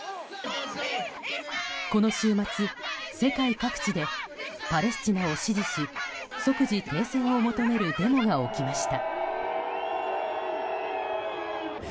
この週末、世界各地でパレスチナを支持し即時停戦を求めるデモが起きました。